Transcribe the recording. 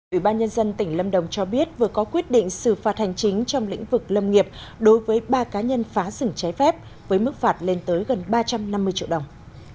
ủy ban nhân dân tỉnh lâm đồng cho biết vừa có quyết định xử phạt hành chính trong lĩnh vực lâm nghiệp đối với ba cá nhân phá rừng trái phép với mức phạt lên tới gần ba trăm năm mươi triệu đồng